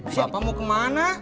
bapak mau kemana